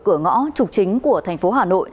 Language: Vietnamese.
cửa ngõ trục chính của thành phố hà nội